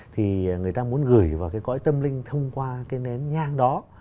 thì người ta muốn gửi vào cái cõi tâm linh thông qua cái nén nhang đó